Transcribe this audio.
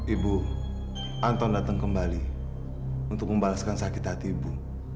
ibu anton datang kembali untuk membalaskan sakit hati ibu